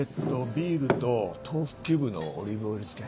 ビールと豆腐キューブのオリーブオイル漬け。